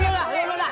mulai mulai mulai